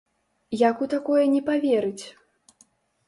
Як у такое не паверыць?